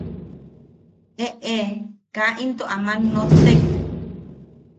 –Eʼe, Kaa into aman nottek.